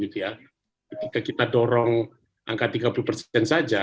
ketika kita dorong angka tiga puluh persen saja